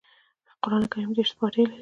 قران کريم دېرش سپاري لري